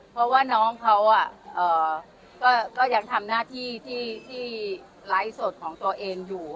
เพราะว่าน้องเขาก็ยังทำหน้าที่ที่ไลฟ์สดของตัวเองอยู่